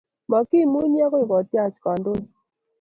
Makimunye akoi kityach kandoik